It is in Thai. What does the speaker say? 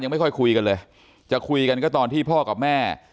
ไม่ค่อยคุยกันเลยจะคุยกันก็ตอนที่พ่อกับแม่